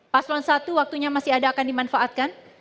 paslon satu waktunya masih ada akan dimanfaatkan